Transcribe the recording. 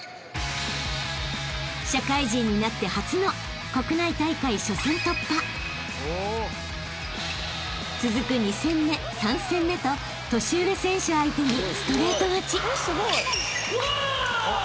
［社会人になって初の国内大会］［続く２戦目３戦目と年上選手相手にストレート勝ち］